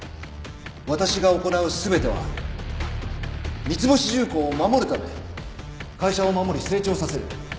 私が行う全ては三ツ星重工を守るためで会社を守り成長させる。